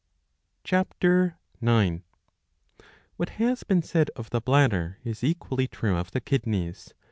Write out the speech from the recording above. ^ (Ch. g.) What has been said of the bladder is equally true of the kidneys.